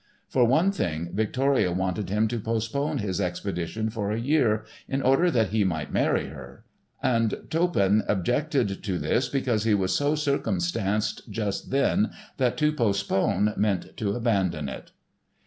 For one thing, Victoria wanted him to postpone his expedition for a year, in order that he might marry her, and Toppan objected to this because he was so circumstanced just then that to postpone meant to abandon it.